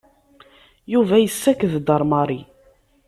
Yuba yessaked-d ar Mary.